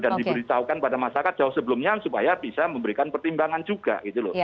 dan diberitahukan pada masyarakat jauh sebelumnya supaya bisa memberikan pertimbangan juga gitu loh